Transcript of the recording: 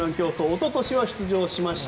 おととしは出場しました。